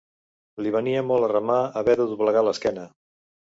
Li venia molt a remà haver de doblegar l'esquena.